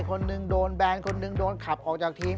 คนหนึ่งโดนแบรนด์คนหนึ่งโดนขับออกจากทีม